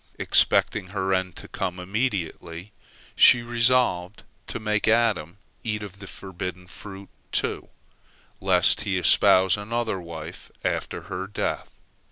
Expecting her end to come immediately, she resolved to make Adam eat of the forbidden fruit, too, lest he espouse another wife after her death.